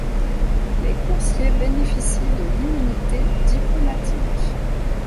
Les coursiers bénéficient de l’immunité diplomatique.